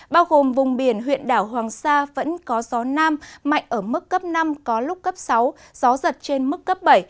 bao gồm vùng biển huyện đảo hoàng sa vẫn có gió nam mạnh ở mức cấp năm có lúc cấp sáu gió giật trên mức cấp bảy